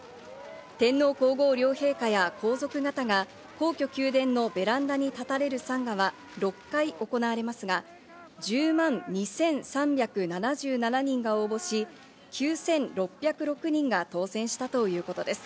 天皇皇后両陛下や皇族方が皇居・宮殿のベランダに立たれる参賀は６回行われますが１０万２３７７人が応募し、９６０６人が当選したということです。